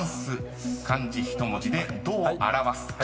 ［漢字１文字でどう表すか］